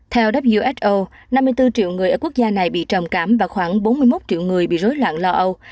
theo who năm mươi bốn triệu người ở quốc gia này bị trầm cảm và khoảng bốn mươi một triệu người bị rối loạn lo âu